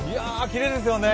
きれいですよね。